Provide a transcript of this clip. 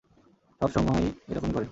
সবসমইয় এরকমই করে!